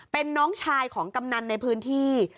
เป็นน้องชายของกำนันในพื้นที่